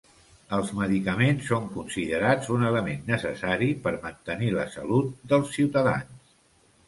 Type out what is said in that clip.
Els medicaments són considerats un element necessari per mantenir la salut dels ciutadans.